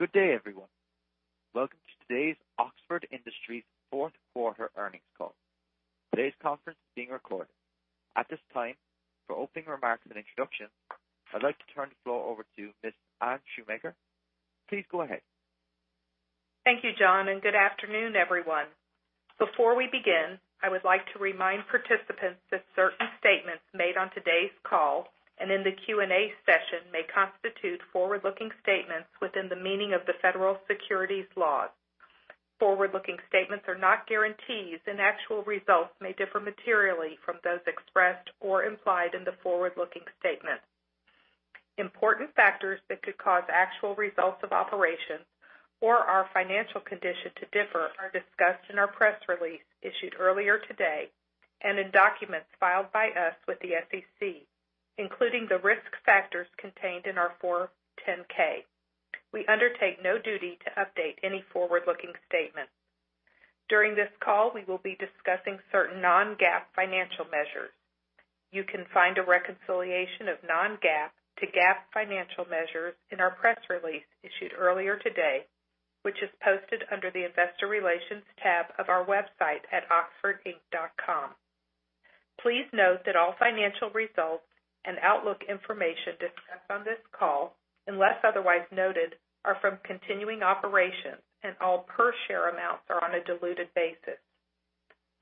Good day, everyone. Welcome to today's Oxford Industries Fourth Quarter Earnings Call. Today's conference is being recorded. At this time, for opening remarks and introductions, I'd like to turn the floor over to Ms. Anne Shoemaker. Please go ahead. Thank you, John, and good afternoon, everyone. Before we begin, I would like to remind participants that certain statements made on today's call and in the Q&A session may constitute forward-looking statements within the meaning of the federal securities laws. Forward-looking statements are not guarantees, and actual results may differ materially from those expressed or implied in the forward-looking statement. Important factors that could cause actual results of operations or our financial condition to differ are discussed in our press release issued earlier today and in documents filed by us with the SEC, including the risk factors contained in our 10-K. We undertake no duty to update any forward-looking statements. During this call, we will be discussing certain non-GAAP financial measures. You can find a reconciliation of non-GAAP to GAAP financial measures in our press release issued earlier today, which is posted under the investor relations tab of our website at oxfordinc.com. Please note that all financial results and outlook information discussed on this call, unless otherwise noted, are from continuing operations, and all per share amounts are on a diluted basis.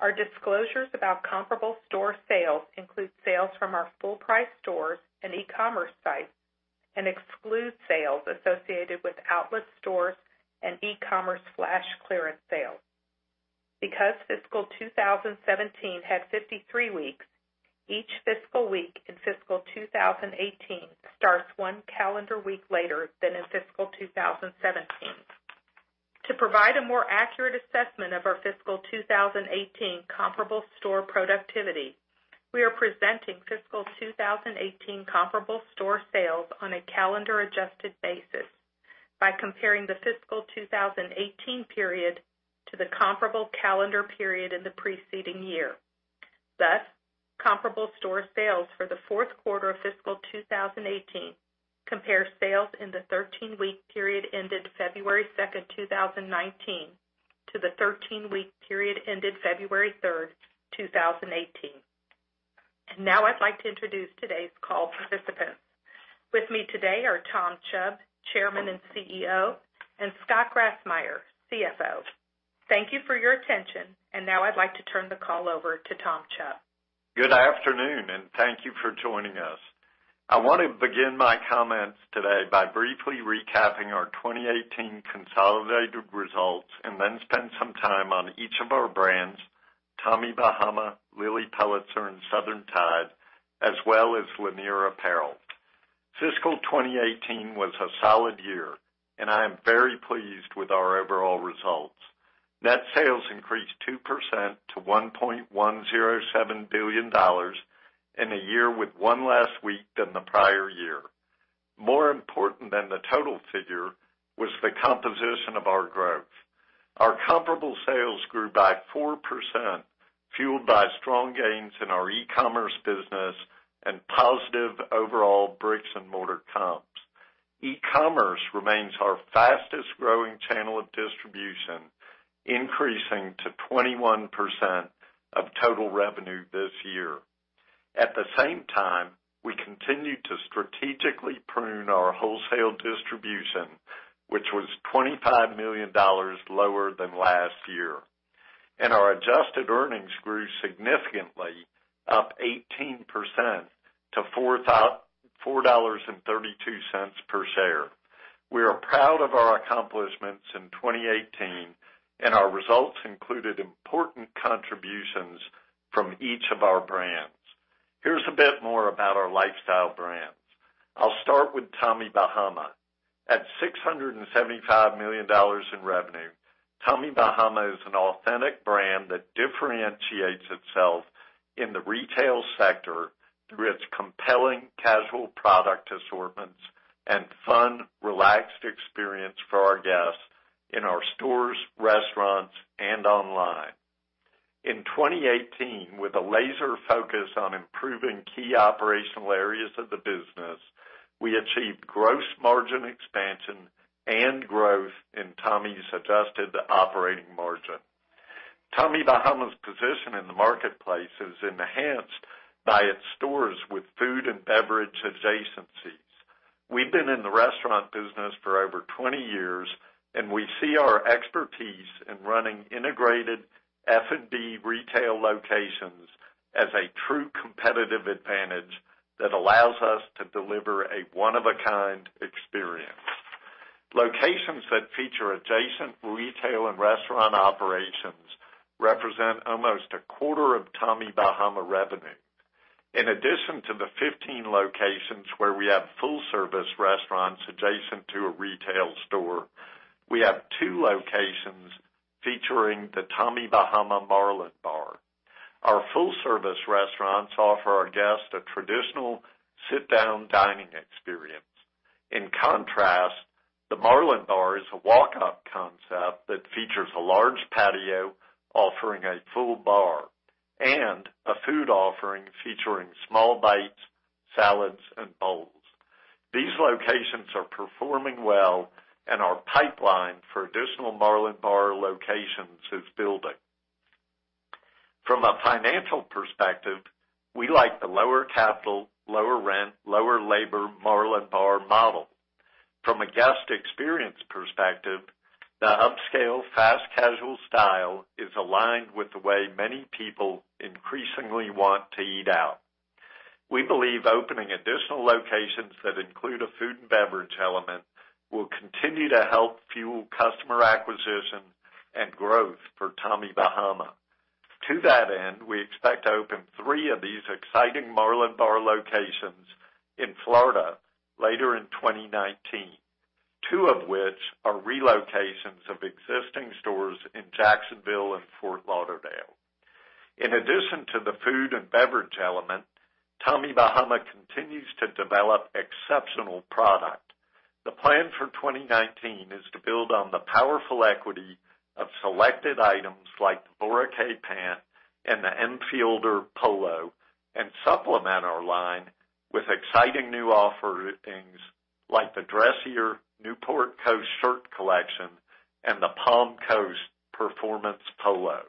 Our disclosures about comparable store sales include sales from our full price stores and e-commerce sites and exclude sales associated with outlet stores and e-commerce flash clearance sales. Because fiscal 2017 had 53 weeks, each fiscal week in fiscal 2018 starts one calendar week later than in fiscal 2017. To provide a more accurate assessment of our fiscal 2018 comparable store productivity, we are presenting fiscal 2018 comparable store sales on a calendar adjusted basis by comparing the fiscal 2018 period to the comparable calendar period in the preceding year. Thus, comparable store sales for the fourth quarter of fiscal 2018 compare sales in the 13 week period ended February second, 2019 to the 13 week period ended February third, 2018. Now I'd like to introduce today's call participants. With me today are Tom Chubb, Chairman and CEO, and Scott Grassmyer, CFO. Thank you for your attention. Now I'd like to turn the call over to Tom Chubb. Good afternoon, and thank you for joining us. I want to begin my comments today by briefly recapping our 2018 consolidated results and then spend some time on each of our brands, Tommy Bahama, Lilly Pulitzer, and Southern Tide, as well as Lanier Apparel. Fiscal 2018 was a solid year, and I am very pleased with our overall results. Net sales increased 2% to $1.107 billion in a year with one last week than the prior year. More important than the total figure was the composition of our growth. Our comparable sales grew by 4%, fueled by strong gains in our e-commerce business and positive overall bricks and mortar comps. E-commerce remains our fastest growing channel of distribution, increasing to 21% of total revenue this year. At the same time, we continued to strategically prune our wholesale distribution, which was $25 million lower than last year, and our adjusted earnings grew significantly, up 18% to $4.32 per share. We are proud of our accomplishments in 2018, and our results included important contributions from each of our brands. Here's a bit more about our lifestyle brands. I'll start with Tommy Bahama. At $675 million in revenue, Tommy Bahama is an authentic brand that differentiates itself in the retail sector through its compelling casual product assortments and fun, relaxed experience for our guests in our stores, restaurants, and online. In 2018, with a laser focus on improving key operational areas of the business, we achieved gross margin expansion and growth in Tommy's adjusted operating margin. Tommy Bahama's position in the marketplace is enhanced by its stores with food and beverage adjacencies. We've been in the restaurant business for over 20 years, and we see our expertise in running integrated F&B retail locations as a true competitive advantage that allows us to deliver a one of a kind experience. Locations that feature adjacent retail and restaurant operations represent almost a quarter of Tommy Bahama revenue. In addition to the 15 locations where we have full service restaurants adjacent to a retail store, we have two locations featuring the Tommy Bahama Marlin Bar. Our full service restaurants offer our guests a traditional sit down dining experience. In contrast, the Marlin Bar is a walk up concept that features a large patio offering a full bar and a food offering featuring small bites, salads, and bowls. These locations are performing well and our pipeline for additional Marlin Bar locations is building. From a financial perspective, we like the lower capital, lower rent, lower labor Marlin Bar model. From a guest experience perspective, the upscale fast casual style is aligned with the way many people increasingly want to eat out. We believe opening additional locations that include a food and beverage element will continue to help fuel customer acquisition and growth for Tommy Bahama. To that end, we expect to open three of these exciting Marlin Bar locations in Florida later in 2019, two of which are relocations of existing stores in Jacksonville and Fort Lauderdale. In addition to the food and beverage element, Tommy Bahama continues to develop exceptional product. The plan for 2019 is to build on the powerful equity of selected items like the Boracay pant and the Emfielder polo, and supplement our line with exciting new offerings like the dressier Newport Coast shirt collection and the Palm Coast performance polo.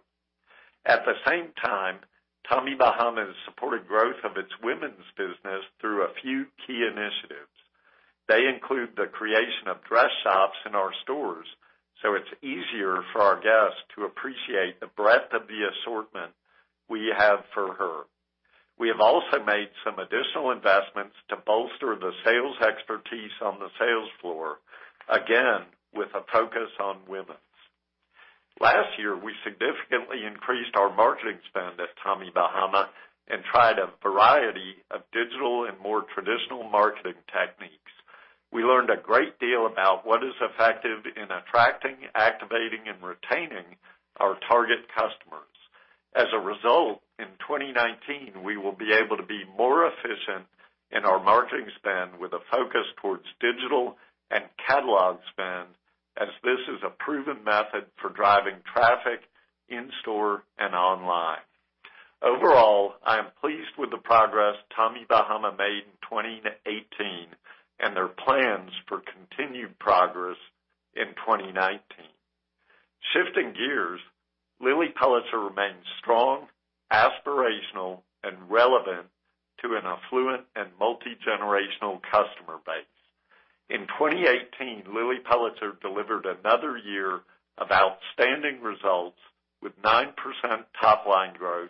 At the same time, Tommy Bahama has supported growth of its women's business through a few key initiatives. They include the creation of dress shops in our stores, so it's easier for our guests to appreciate the breadth of the assortment we have for her. We have also made some additional investments to bolster the sales expertise on the sales floor, again, with a focus on women's. Last year, we significantly increased our marketing spend at Tommy Bahama and tried a variety of digital and more traditional marketing techniques. We learned a great deal about what is effective in attracting, activating, and retaining our target customers. As a result, in 2019, we will be able to be more efficient in our marketing spend with a focus towards digital and catalog spend, as this is a proven method for driving traffic in-store and online. Overall, I am pleased with the progress Tommy Bahama made in 2018 and their plans for continued progress in 2019. Shifting gears, Lilly Pulitzer remains strong, aspirational, and relevant to an affluent and multi-generational customer base. In 2018, Lilly Pulitzer delivered another year of outstanding results with 9% top-line growth,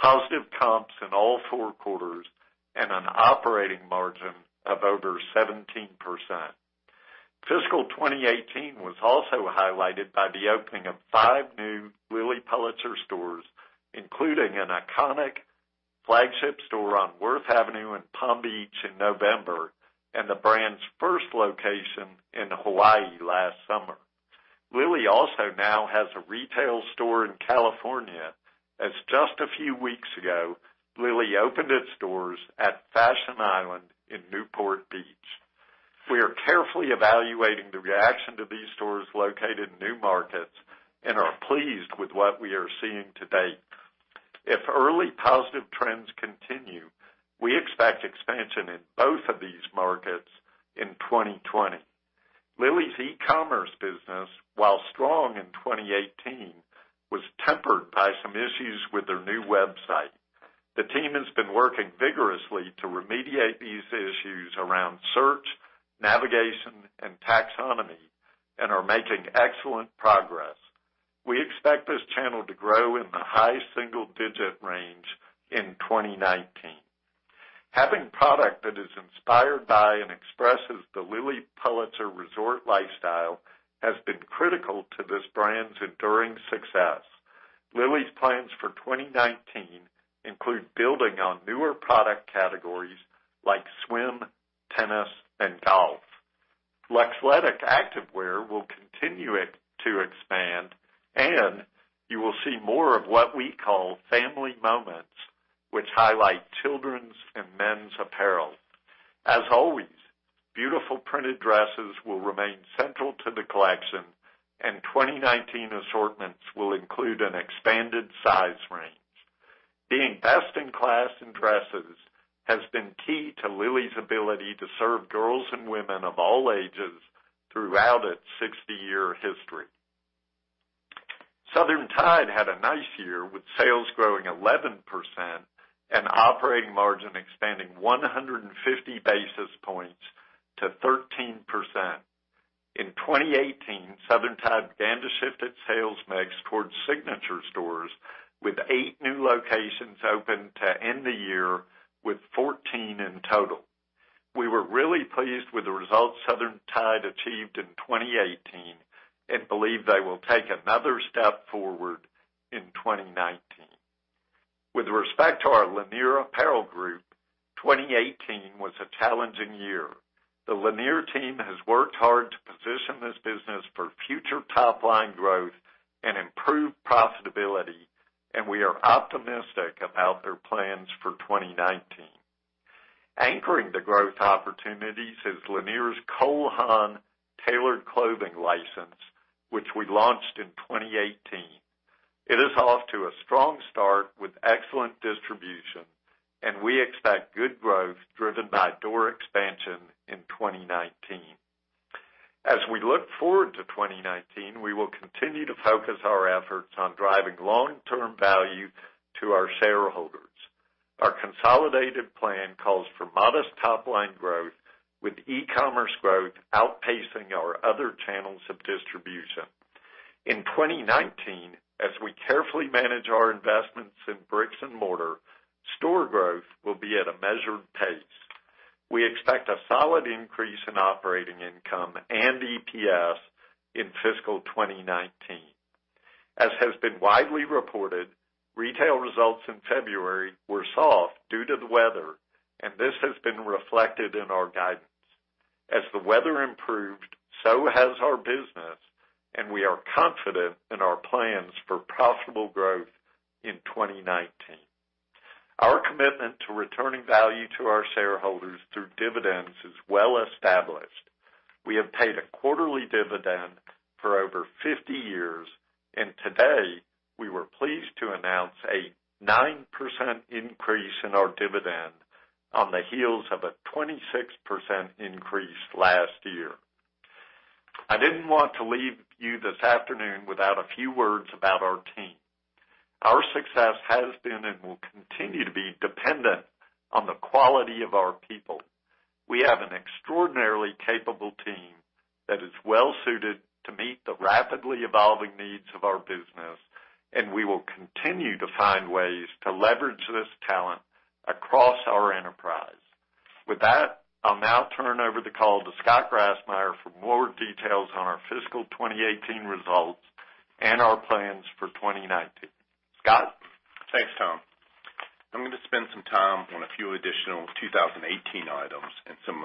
positive comps in all four quarters, and an operating margin of over 17%. Fiscal 2018 was also highlighted by the opening of five new Lilly Pulitzer stores, including an iconic flagship store on Worth Avenue in Palm Beach in November, and the brand's first location in Hawaii last summer. Lilly also now has a retail store in California, as just a few weeks ago, Lilly opened its doors at Fashion Island in Newport Beach. We are carefully evaluating the reaction to these stores located in new markets and are pleased with what we are seeing to date. If early positive trends continue, we expect expansion in both of these markets in 2020. Lilly's e-commerce business, while strong in 2018, was tempered by some issues with their new website. The team has been working vigorously to remediate these issues around search, navigation, and taxonomy and are making excellent progress. We expect this channel to grow in the high single-digit range in 2019. Having product that is inspired by and expresses the Lilly Pulitzer resort lifestyle has been critical to this brand's enduring success. Lilly's plans for 2019 include building on newer product categories like swim, tennis, and golf. Luxletic activewear will continue to expand, and you will see more of what we call family moments, which highlight children's and men's apparel. Beautiful printed dresses will remain central to the collection, and 2019 assortments will include an expanded size range. Being best in class in dresses has been key to Lilly's ability to serve girls and women of all ages throughout its 60-year history. Southern Tide had a nice year with sales growing 11% and operating margin expanding 150 basis points to 13%. In 2018, Southern Tide began to shift its sales mix towards signature stores with eight new locations open to end the year with 14 in total. We were really pleased with the results Southern Tide achieved in 2018 and believe they will take another step forward in 2019. With respect to our Lanier Apparel Group, 2018 was a challenging year. The Lanier team has worked hard to position this business for future top-line growth and improved profitability, and we are optimistic about their plans for 2019. Anchoring the growth opportunities is Lanier's Cole Haan tailored clothing license, which we launched in 2018. It is off to a strong start with excellent distribution, and we expect good growth driven by door expansion in 2019. As we look forward to 2019, we will continue to focus our efforts on driving long-term value to our shareholders. Our consolidated plan calls for modest top-line growth, with e-commerce growth outpacing our other channels of distribution. In 2019, as we carefully manage our investments in bricks and mortar, store growth will be at a measured pace. We expect a solid increase in operating income and EPS in fiscal 2019. As has been widely reported, retail results in February were soft due to the weather, and this has been reflected in our guidance. As the weather improved, so has our business, and we are confident in our plans for profitable growth in 2019. Our commitment to returning value to our shareholders through dividends is well established. We have paid a quarterly dividend for over 50 years, and today we were pleased to announce a 9% increase in our dividend on the heels of a 26% increase last year. I didn't want to leave you this afternoon without a few words about our team. Our success has been and will continue to be dependent on the quality of our people. We have an extraordinarily capable team that is well suited to meet the rapidly evolving needs of our business, and we will continue to find ways to leverage this talent across our enterprise. With that, I'll now turn over the call to Scott Grassmyer for more details on our fiscal 2018 results and our plans for 2019. Scott? Thanks, Tom. I'm going to spend some time on a few additional 2018 items and some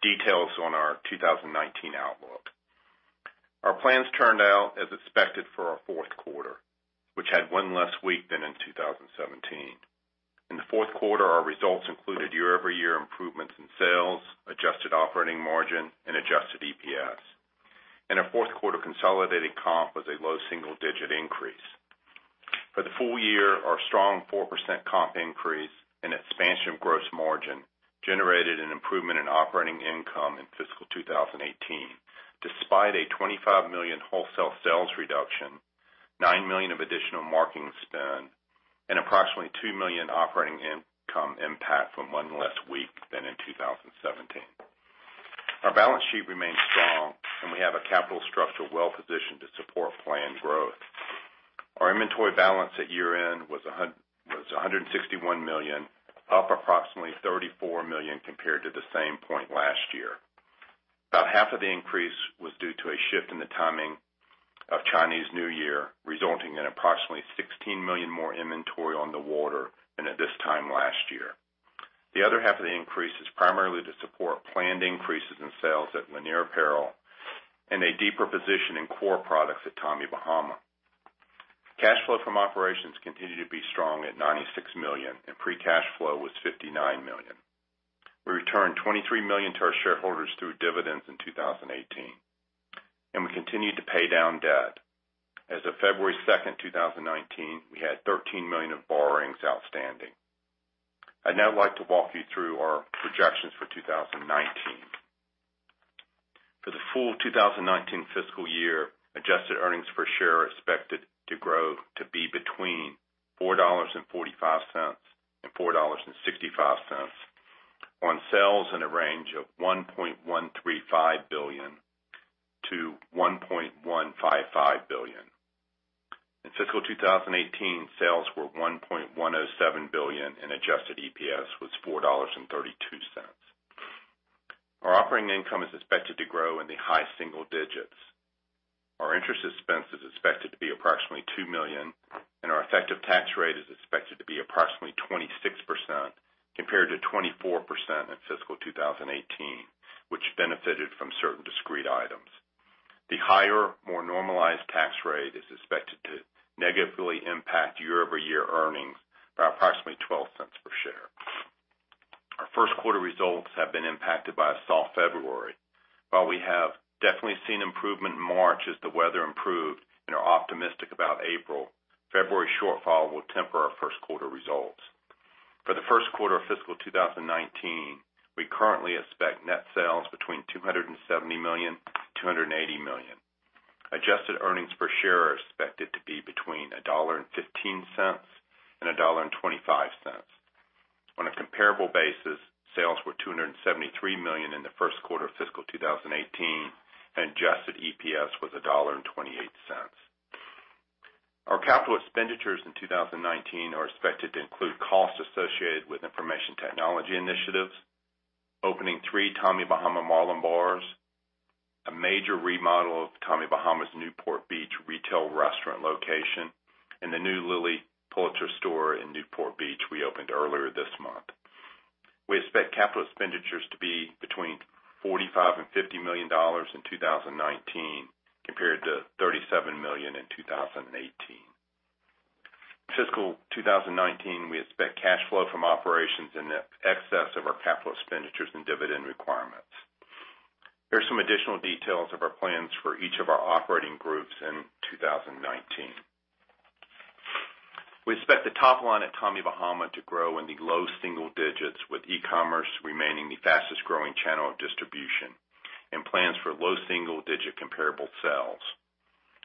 details on our 2019 outlook. Our plans turned out as expected for our fourth quarter, which had one less week than in 2017. In the fourth quarter, our results included year-over-year improvements in sales, adjusted operating margin and adjusted EPS. Our fourth quarter consolidated comp was a low single-digit increase. For the full year, our strong 4% comp increase and expansion of gross margin generated an improvement in operating income in fiscal 2018, despite a $25 million wholesale sales reduction, $9 million of additional marketing spend, and approximately $2 million operating income impact from one less week than in 2017. Our balance sheet remains strong, and we have a capital structure well positioned to support planned growth. Our inventory balance at year-end was $161 million, up approximately $34 million compared to the same point last year. About half of the increase was due to a shift in the timing of Chinese New Year, resulting in approximately $16 million more inventory on the water than at this time last year. The other half of the increase is primarily to support planned increases in sales at Lanier Apparel and a deeper position in core products at Tommy Bahama. Cash flow from operations continued to be strong at $96 million, and free cash flow was $59 million. We returned $23 million to our shareholders through dividends in 2018, and we continued to pay down debt. As of February 2nd, 2019, we had $13 million of borrowings outstanding. I'd now like to walk you through our projections for 2019. For the full 2019 fiscal year, adjusted earnings per share are expected to grow to be between $4.45 and $4.65 on sales in a range of $1.135 billion-$1.155 billion. In fiscal 2018, sales were $1.107 billion, and adjusted EPS was $4.32. Our operating income is expected to grow in the high single digits. Our interest expense is expected to be approximately $2 million, and our effective tax rate is expected to be approximately 26%, compared to 24% in fiscal 2018, which benefited from certain discrete items. The higher, more normalized tax rate is expected to negatively impact year-over-year earnings by approximately $0.12 per share. Our first quarter results have been impacted by a soft February. While we have definitely seen improvement in March as the weather improved and are optimistic about April, February shortfall will temper our first quarter results. For the first quarter of fiscal 2019, we currently expect net sales between $270 million-$280 million. Adjusted earnings per share are expected to be between $1.15 and $1.25. On a comparable basis, sales were $273 million in the first quarter of fiscal 2018, and adjusted EPS was $1.28. Our capital expenditures in 2019 are expected to include costs associated with information technology initiatives, opening three Tommy Bahama Marlin Bars, a major remodel of Tommy Bahama's Newport Beach retail restaurant location, and the new Lilly Pulitzer store in Newport Beach we opened earlier this month. We expect capital expenditures to be between $45 million and $50 million in 2019, compared to $37 million in 2018. Fiscal 2019, we expect cash flow from operations in excess of our capital expenditures and dividend requirements. Here's some additional details of our plans for each of our operating groups in 2019. We expect the top line at Tommy Bahama to grow in the low single digits, with e-commerce remaining the fastest-growing channel of distribution and plans for low single-digit comparable sales.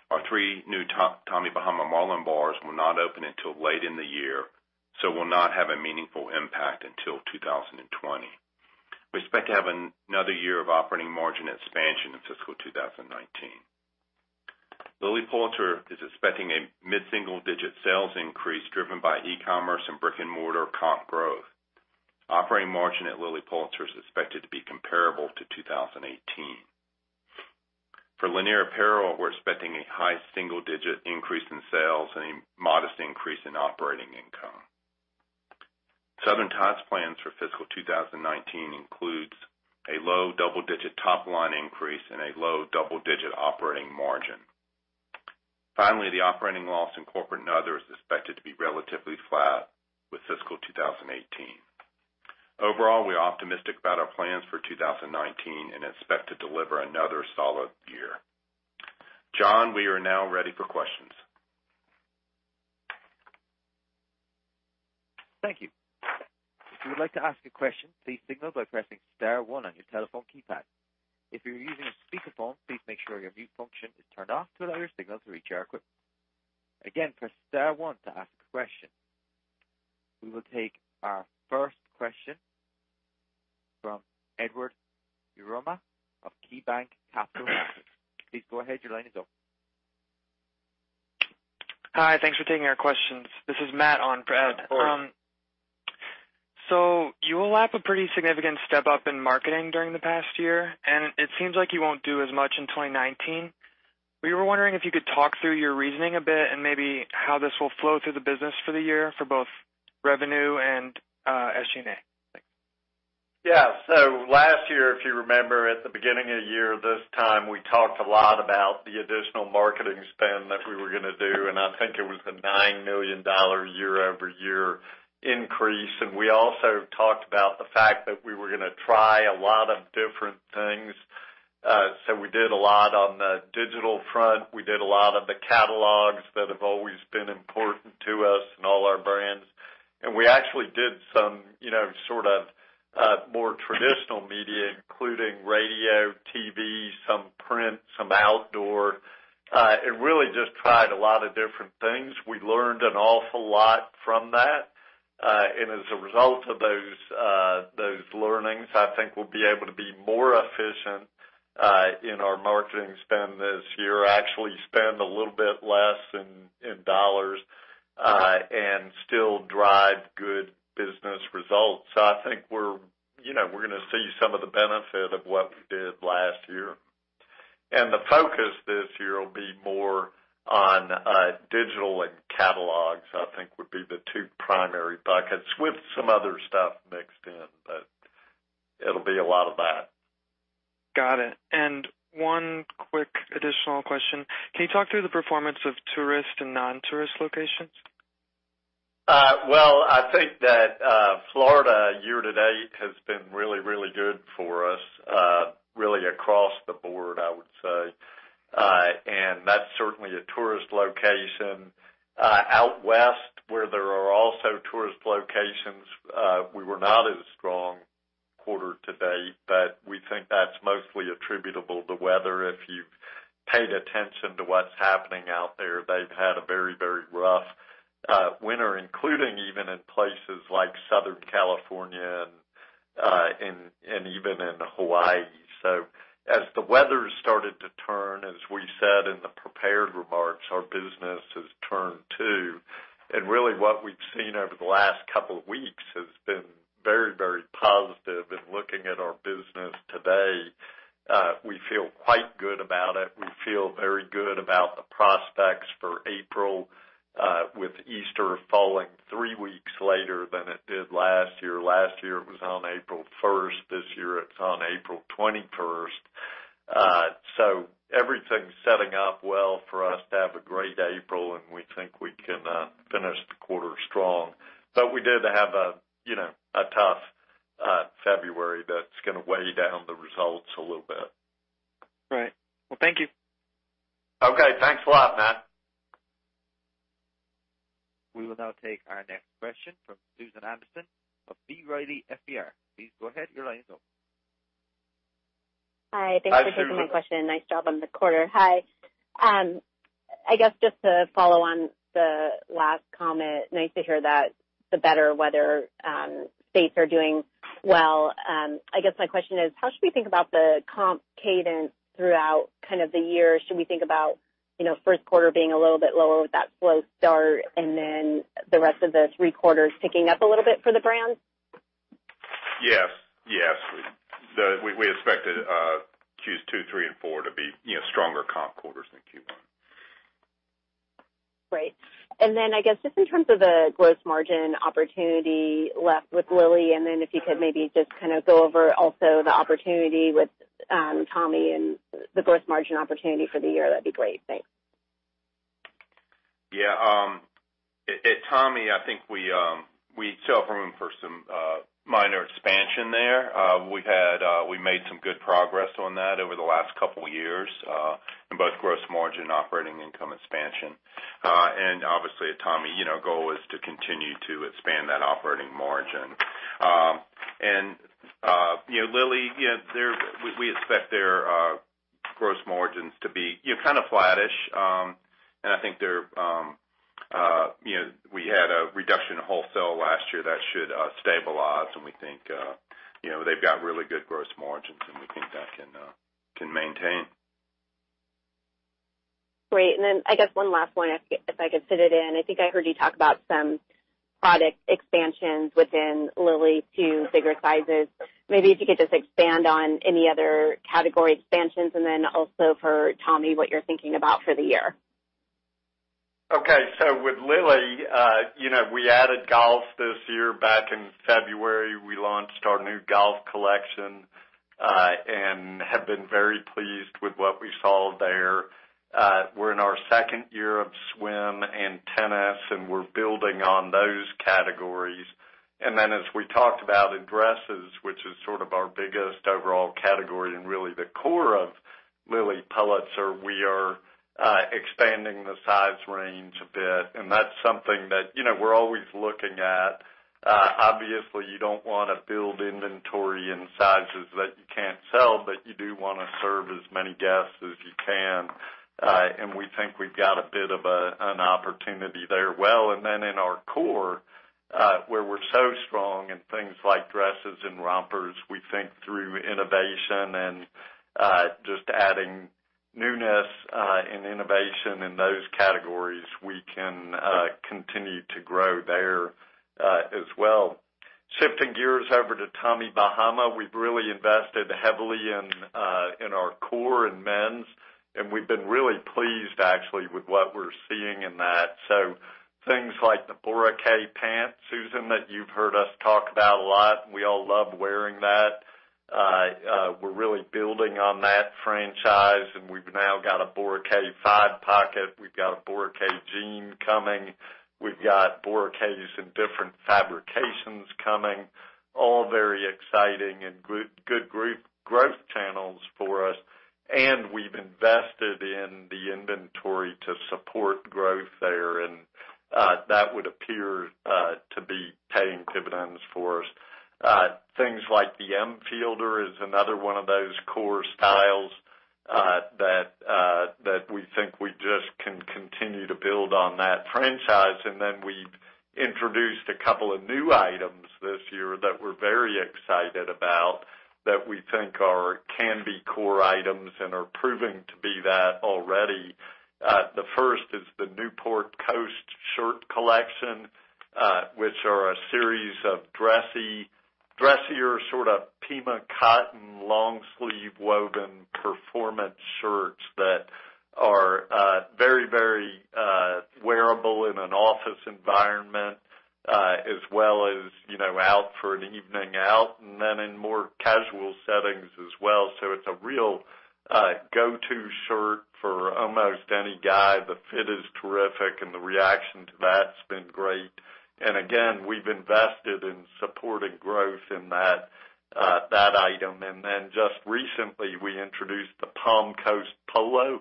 Our three new Tommy Bahama Marlin Bars will not open until late in the year, so will not have a meaningful impact until 2020. We expect to have another year of operating margin expansion in fiscal 2019. Lilly Pulitzer is expecting a mid-single-digit sales increase driven by e-commerce and brick-and-mortar comp growth. Operating margin at Lilly Pulitzer is expected to be comparable to 2018. For Lanier Apparel, we're expecting a high single-digit increase in sales and a modest increase in operating income. Southern Tide's plans for fiscal 2019 includes a low double-digit top-line increase and a low double-digit operating margin. The operating loss in Corporate and Other is expected to be relatively flat with fiscal 2018. We're optimistic about our plans for 2019 and expect to deliver another solid year. John, we are now ready for questions. Thank you. If you would like to ask a question, please signal by pressing star one on your telephone keypad. If you're using a speakerphone, please make sure your mute function is turned off to allow your signal to reach our equipment. Again, press star one to ask a question. We will take our first question from Edward Yruma of KeyBanc Capital Markets. Please go ahead. Your line is open. Hi. Thanks for taking our questions. This is Matt on for Ed. Of course. You allowed a pretty significant step-up in marketing during the past year, and it seems like you won't do as much in 2019. We were wondering if you could talk through your reasoning a bit and maybe how this will flow through the business for the year for both revenue and SG&A. Thanks. Yeah. Last year, if you remember at the beginning of the year this time, we talked a lot about the additional marketing spend that we were going to do, I think it was a $9 million year-over-year increase. We also talked about the fact that we were going to try a lot of different things. We did a lot on the digital front. We did a lot of the catalogs that have always been important to us and all our brands. We actually did some sort of more traditional media, including radio, TV, some print, some outdoor, really just tried a lot of different things. We learned an awful lot from that. As a result of those learnings, I think we'll be able to be more efficient in our marketing spend this year. Actually spend a little bit less in dollars, still drive good business results. I think we're going to see some of the benefit of what we did last year. The focus this year will be more on digital and catalogs, I think would be the two primary buckets with some other stuff mixed in, but it'll be a lot of that. Got it. One quick additional question. Can you talk through the performance of tourist and non-tourist locations? Well, I think that Florida year to date has been really, really good for us, really across the board, I would say. That's certainly a tourist location. Out west, where there are also tourist locations, we were not as strong quarter to date, but we think that's mostly attributable to weather. If you've paid attention to what's happening out there, they've had a very rough winter, including even in places like Southern California and even in Hawaii. As the weather's started to turn, as we said in the prepared remarks, our business has turned too. Really what we've seen over the last couple of weeks has been very positive in looking at our business today. We feel quite good about it. We feel very good about the prospects for April, with Easter falling three weeks later than it did last year. Last year it was on April 1st. This year it's on April 21st. Everything's setting up well for us to have a great April, and we think we can finish the quarter strong. We did have a tough February that's going to weigh down the results a little bit. Right. Well, thank you. Okay. Thanks a lot, Matt. We will now take our next question from Susan Anderson of B. Riley FBR. Please go ahead. Your line is open. Hi. Thanks for taking my question. Hi, Susan. Nice job on the quarter. Hi. I guess just to follow on the last comment, nice to hear that the better weather states are doing well. I guess my question is, how should we think about the comp cadence throughout the year? Should we think about first quarter being a little bit lower with that slow start, and then the rest of the three quarters picking up a little bit for the brand? Yes. We expected Q2, three, and four to be stronger comp quarters than Q1. Great. I guess, just in terms of the gross margin opportunity left with Lilly, if you could maybe just kind of go over also the opportunity with Tommy and the gross margin opportunity for the year, that'd be great. Thanks. Yeah. At Tommy, I think we still have room for some minor expansion there. We made some good progress on that over the last couple of years, in both gross margin and operating income expansion. Obviously at Tommy, goal is to continue to expand that operating margin. Lilly, we expect their gross margins to be kind of flattish. I think we had a reduction in wholesale last year that should stabilize, and we think they've got really good gross margins, and we think that can maintain. Great. I guess one last one, if I could fit it in. I think I heard you talk about some product expansions within Lilly to bigger sizes. Maybe if you could just expand on any other category expansions, also for Tommy, what you're thinking about for the year. Okay. With Lilly, we added golf this year. Back in February, we launched our new golf collection, and have been very pleased with what we saw there. We're in our second year of swim and tennis, and we're building on those categories. As we talked about in dresses, which is sort of our biggest overall category and really the core of Lilly Pulitzer, we are expanding the size range a bit. That's something that we're always looking at. Obviously, you don't want to build inventory in sizes that you can't sell, but you do want to serve as many guests as you can. We think we've got a bit of an opportunity there. In our core, where we're so strong in things like dresses and rompers, we think through innovation and just adding newness and innovation in those categories, we can continue to grow there as well. Shifting gears over to Tommy Bahama, we've really invested heavily in our core in men's, and we've been really pleased, actually, with what we're seeing in that. Things like the Boracay pant, Susan, that you've heard us talk about a lot, we all love wearing that. We're really building on that franchise, and we've now got a Boracay 5-Pocket. We've got a Boracay Jean coming. We've got Boracays in different fabrications coming. All very exciting and good growth channels for us. We've invested in the inventory to support growth there, and that would appear to be paying dividends for us. Things like the Emfielder is another one of those core styles that we think we just can continue to build on that franchise. We've introduced a couple of new items this year that we're very excited about, that we think can be core items and are proving to be that already. The first is the Newport Coast shirt collection, which are a series of dressier sort of Pima cotton, long sleeve, woven performance shirts that are very wearable in an office environment, as well as out for an evening out, and then in more casual settings as well. It's a real go-to shirt for almost any guy. The fit is terrific, and the reaction to that's been great. Again, we've invested in supporting growth in that item. Just recently, we introduced the Palm Coast Polo,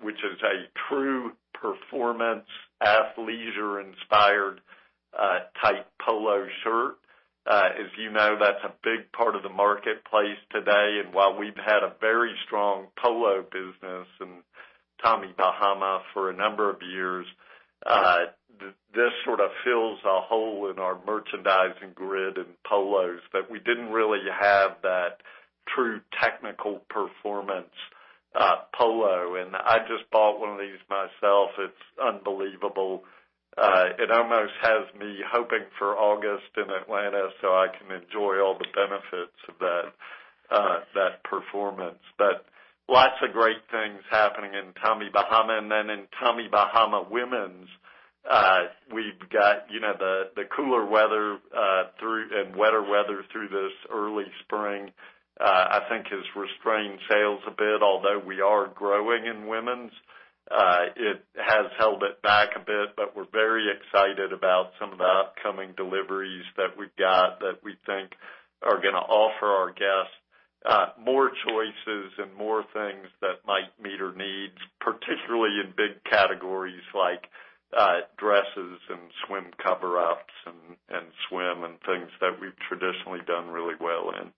which is a true performance, athleisure-inspired type polo shirt. As you know, that's a big part of the marketplace today. While we've had a very strong polo business in Tommy Bahama for a number of years, this sort of fills a hole in our merchandising grid in polos that we didn't really have that true technical performance polo. I just bought one of these myself. It's unbelievable. It almost has me hoping for August in Atlanta so I can enjoy all the benefits of that performance. Lots of great things happening in Tommy Bahama. In Tommy Bahama women's, we've got the cooler weather and wetter weather through this early spring, I think has restrained sales a bit. Although we are growing in women's, it has held it back a bit, but we're very excited about some of the upcoming deliveries that we've got that we think are going to offer our guests more choices and more things that might meet her needs, particularly in big categories like dresses and swim cover-ups and swim and things that we've traditionally done really well in.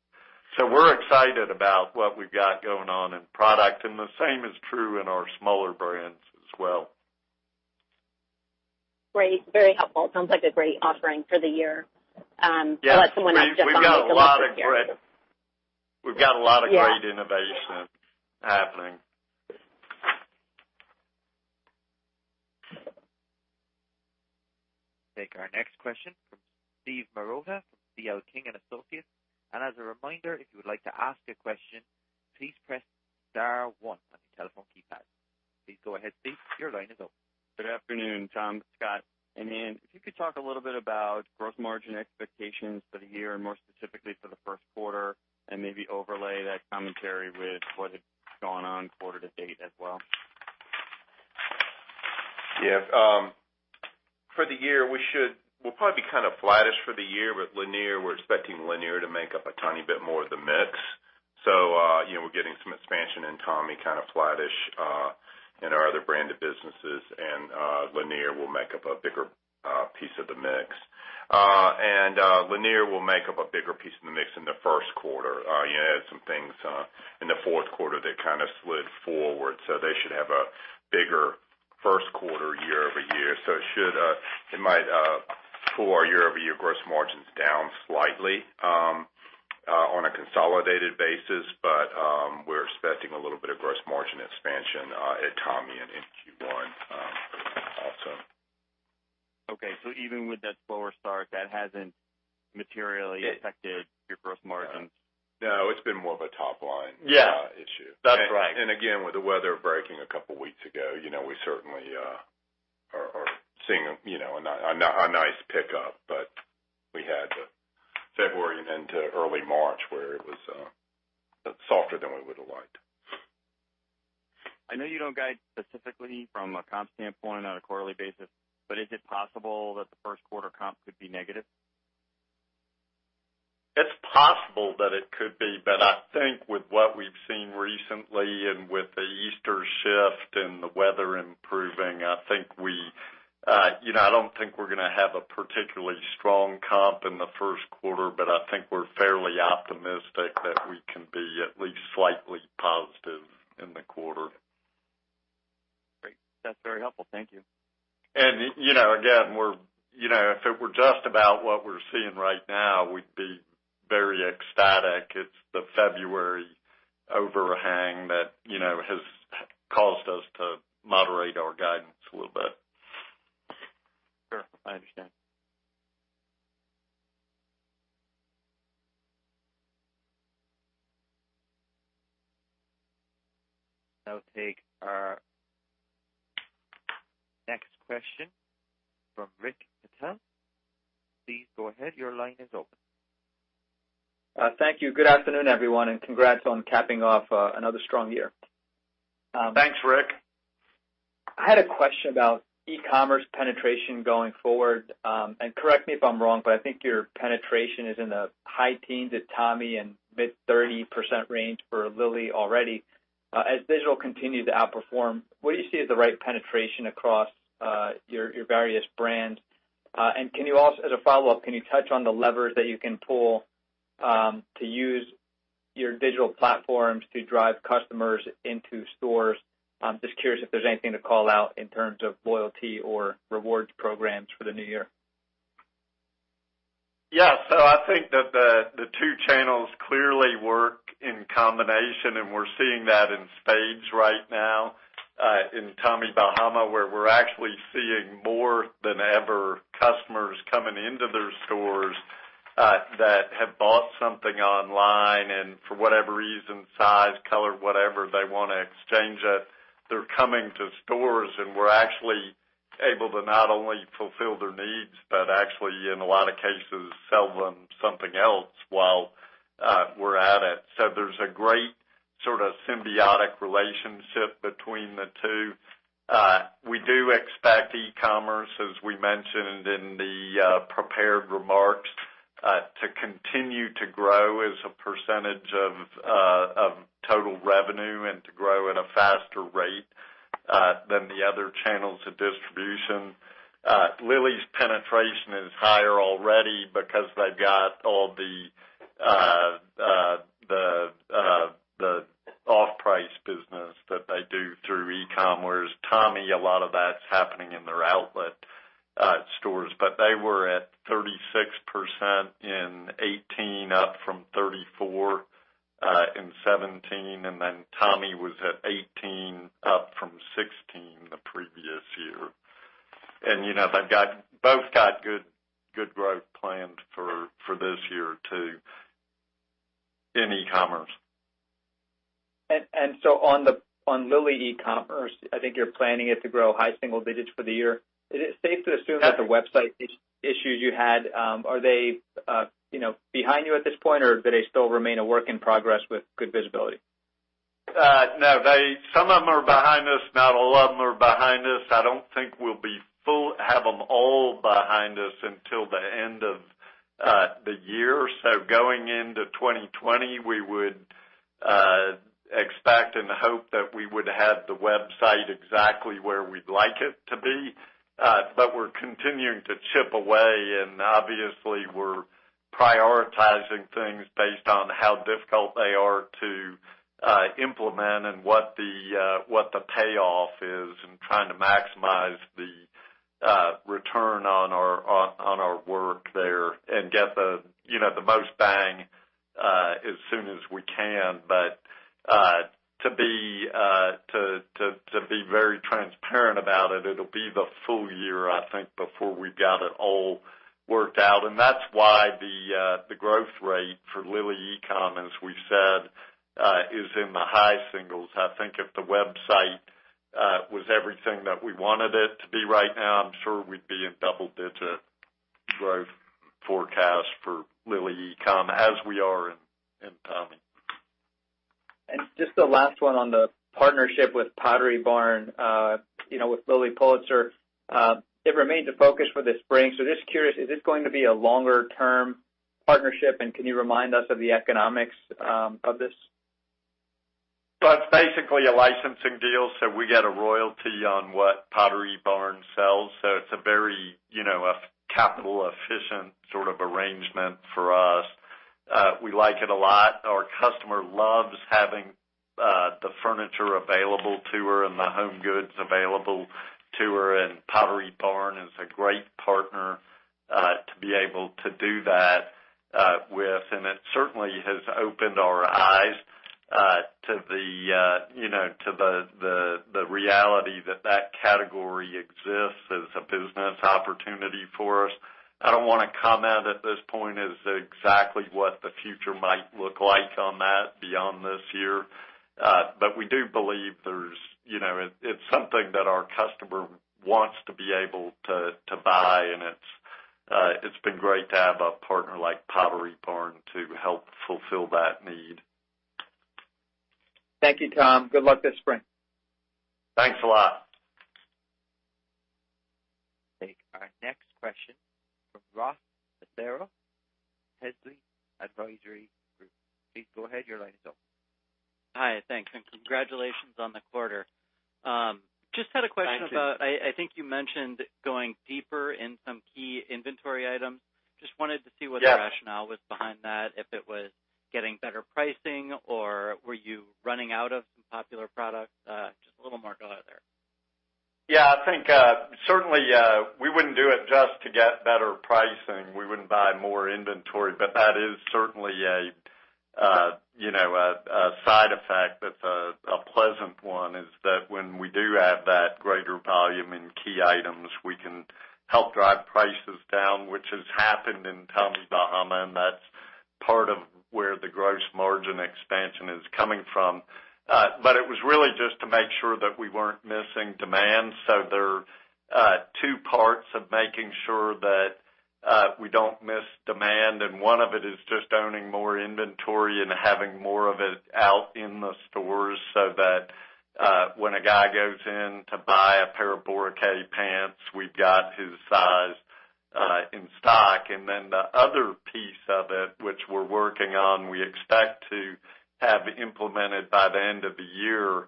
We're excited about what we've got going on in product, and the same is true in our smaller brands as well. Great. Very helpful. Sounds like a great offering for the year. Yes. I'll let someone else just on here. We've got a lot of great innovation happening. Take our next question from Steve Marotta from C.L. King & Associates. As a reminder, if you would like to ask a question, please press star one on your telephone keypad. Please go ahead, Steve. Your line is open. Good afternoon, Tom, Scott. If you could talk a little bit about gross margin expectations for the year and more specifically for the first quarter, and maybe overlay that commentary with what has gone on quarter-to-date as well. For the year, we'll probably be kind of flattish for the year with Lanier. We're expecting Lanier to make up a tiny bit more of the mix. We're getting some expansion in Tommy, kind of flattish in our other brand of businesses, and Lanier will make up a bigger piece of the mix. Lanier will make up a bigger piece of the mix in the first quarter. You had some things in the fourth quarter that kind of slid forward, so they should have a bigger first quarter year-over-year. It might pull our year-over-year gross margins down slightly on a consolidated basis, but we're expecting a little bit of gross margin expansion at Tommy and in Q1 also. Even with that slower start, that hasn't materially affected your gross margins? No, it's been more of a top-line issue. Yeah. That's right. Again, with the weather breaking a couple of weeks ago, we certainly are seeing a nice pickup, we had February and into early March where it was softer than we would've liked. I know you don't guide specifically from a comp standpoint on a quarterly basis, is it possible that the first quarter comp could be negative? It's possible that it could be, but I think with what we've seen recently and with the Easter shift and the weather improving, I don't think we're gonna have a particularly strong comp in the first quarter, but I think we're fairly optimistic that we can be at least slightly positive in the quarter. Great. That's very helpful. Thank you. Again, if it were just about what we're seeing right now, we'd be very ecstatic. It's the February overhang that has caused us to moderate our guidance a little bit. Sure. I understand. I'll take our next question from Rick Patel. Please go ahead. Your line is open. Thank you. Good afternoon, everyone, and congrats on capping off another strong year. Thanks, Rick. I had a question about e-commerce penetration going forward. Correct me if I'm wrong, but I think your penetration is in the high teens at Tommy and mid-30% range for Lilly already. As digital continues to outperform, what do you see as the right penetration across your various brands? As a follow-up, can you touch on the levers that you can pull to use your digital platforms to drive customers into stores? Just curious if there's anything to call out in terms of loyalty or rewards programs for the new year. Yeah. I think that the two channels clearly work in combination, and we're seeing that in spades right now, in Tommy Bahama, where we're actually seeing more than ever customers coming into their stores that have bought something online, and for whatever reason, size, color, whatever, they want to exchange it. They're coming to stores, and we're actually able to not only fulfill their needs, but actually, in a lot of cases, sell them something else while we're at it. There's a great sort of symbiotic relationship between the two. We do expect e-commerce, as we mentioned in the prepared remarks, to continue to grow as a percentage of total revenue and to grow at a faster rate than the other channels of distribution. Lilly's penetration is higher already because they've got all the off-price business that they do through e-com, whereas Tommy, a lot of that's happening in their outlet stores. They were at 36% in 2018, up from 34% in 2017. Tommy was at 18%, up from 16% the previous year. They've both got good growth planned for this year, too, in e-commerce. On Lilly e-commerce, I think you're planning it to grow high single digits for the year. Is it safe to assume that the website issues you had, are they behind you at this point, or do they still remain a work in progress with good visibility? No. Some of them are behind us, not all of them are behind us. I don't think we'll have them all behind us until the end of the year. Going into 2020, we would expect and hope that we would have the website exactly where we'd like it to be. We're continuing to chip away, obviously we're prioritizing things based on how difficult they are to implement and what the payoff is, and trying to maximize the return on our work there and get the most bang as soon as we can. To be very transparent about it'll be the full year, I think, before we've got it all worked out. That's why the growth rate for Lilly e-com, as we said, is in the high singles. I think if the website was everything that we wanted it to be right now, I'm sure we'd be in double-digit growth forecast for Lilly e-com as we are in Tommy. Just the last one on the partnership with Pottery Barn, with Lilly Pulitzer. It remains a focus for the spring. Just curious, is this going to be a longer-term partnership, and can you remind us of the economics of this? It's basically a licensing deal, so we get a royalty on what Pottery Barn sells. It's a very capital-efficient sort of arrangement for us. We like it a lot. Our customer loves having the furniture available to her and the home goods available to her, and Pottery Barn is a great partner to be able to do that with. It certainly has opened our eyes to the reality that category exists as a business opportunity for us. I don't want to comment at this point as to exactly what the future might look like on that beyond this year. We do believe it's something that our customer wants to be able to buy, and it's been great to have a partner like Pottery Barn to help fulfill that need. Thank you, Tom. Good luck this spring. Thanks a lot. We'll take our next question from Ross Licero, Telsey Advisory Group. Please go ahead, your line is open. Hi, thanks, congratulations on the quarter. Just had a question about, I think you mentioned going deeper in some key inventory items. Just wanted to see what the rationale was behind that, if it was getting better pricing or were you running out of some popular products? Just a little more color there. Yeah, I think certainly, we wouldn't do it just to get better pricing. We wouldn't buy more inventory. That is certainly a side effect that's a pleasant one, is that when we do have that greater volume in key items, we can help drive prices down, which has happened in Tommy Bahama, and that's part of where the gross margin expansion is coming from. It was really just to make sure that we weren't missing demand. There are two parts of making sure that we don't miss demand, and one of it is just owning more inventory and having more of it out in the stores so that when a guy goes in to buy a pair of Boracay pants, we've got his size in stock. Then the other piece of it, which we're working on, we expect to have implemented by the end of the year,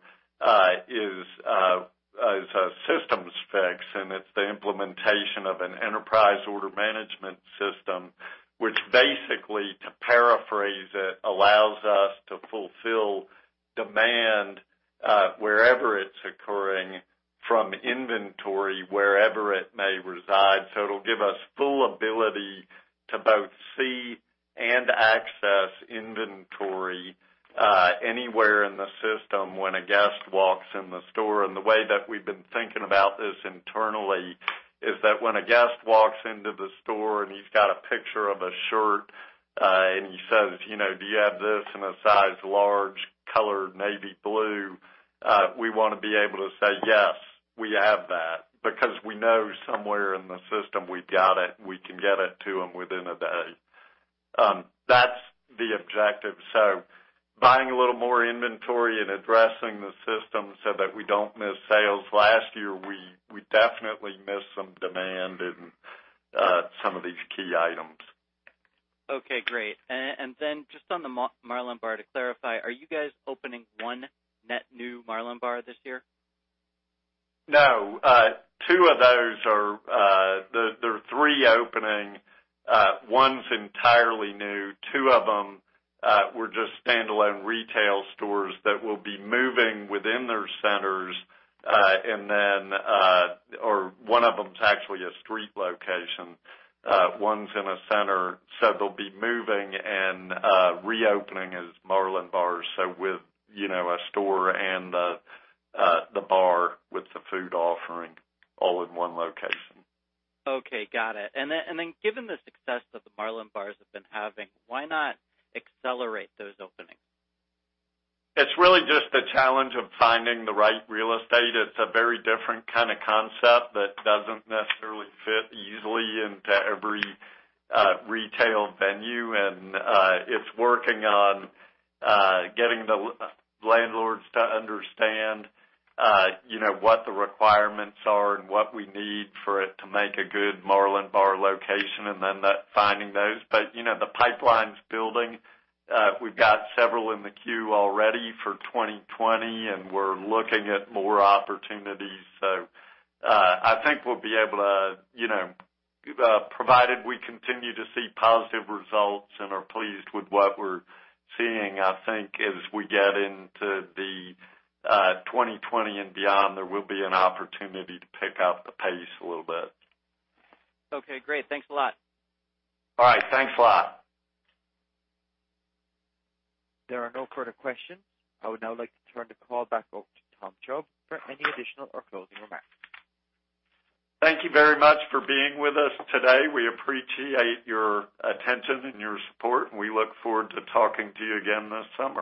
is a systems fix. It's the implementation of an enterprise order management system, which basically, to paraphrase it, allows us to fulfill demand wherever it's occurring from inventory, wherever it may reside. It'll give us full ability to both see and access inventory anywhere in the system when a guest walks in the store. The way that we've been thinking about this internally is that when a guest walks into the store and he's got a picture of a shirt and he says, "Do you have this in a size large, color navy blue?" We want to be able to say, "Yes, we have that." Because we know somewhere in the system, we've got it, and we can get it to him within a day. That's the objective. Buying a little more inventory and addressing the system so that we don't miss sales. Last year, we definitely missed some demand in some of these key items. Okay, great. Just on the Marlin Bar, to clarify, are you guys opening one net new Marlin Bar this year? No. There are three opening. One's entirely new. Two of them were just standalone retail stores that we'll be moving within their centers. One of them's actually a street location. One's in a center. They'll be moving and reopening as Marlin Bar. With a store and the bar with the food offering all in one location. Okay, got it. Given the success that the Marlin Bars have been having, why not accelerate those openings? It's really just the challenge of finding the right real estate. It's a very different kind of concept that doesn't necessarily fit easily into every retail venue. It's working on getting the landlords to understand what the requirements are and what we need for it to make a good Marlin Bar location and then finding those. The pipeline's building. We've got several in the queue already for 2020, and we're looking at more opportunities. I think we'll be able to, provided we continue to see positive results and are pleased with what we're seeing, I think as we get into the 2020 and beyond, there will be an opportunity to pick up the pace a little bit. Okay, great. Thanks a lot. All right. Thanks a lot. There are no further questions. I would now like to turn the call back over to Tom Chubb for any additional or closing remarks. Thank you very much for being with us today. We appreciate your attention and your support. We look forward to talking to you again this summer